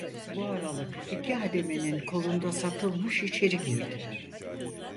Bu aralık iki hademenin kolunda Satılmış içeri girdi.